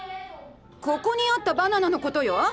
ここにあったバナナのことよ。